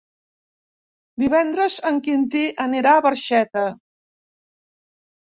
Divendres en Quintí anirà a Barxeta.